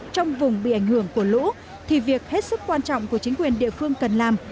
trong vùng bị ảnh hưởng của lũ thì việc hết sức quan trọng của chính quyền địa phương cần làm